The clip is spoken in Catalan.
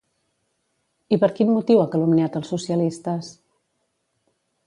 I per quin motiu ha calumniat els socialistes?